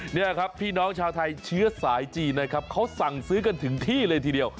นี่ครับพี่น้องชาวไทยเชื้อสายจีนนะครับเขาสั่งซื้อกันถึงที่เลยทีเดียว